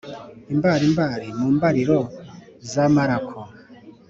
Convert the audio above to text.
imbarimbari mu mbariro z'amarako